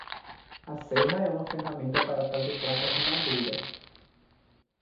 A serra é uma ferramenta para fazer placas de madeira.